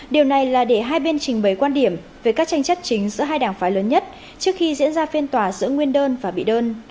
điều này là để hai bên trình bày quan điểm về các tranh chấp chính giữa hai đảng phái lớn nhất trước khi diễn ra phiên tòa giữa nguyên đơn và bị đơn